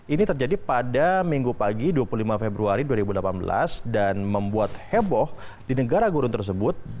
ini terjadi pada minggu pagi dua puluh lima februari dua ribu delapan belas dan membuat heboh di negara gurun tersebut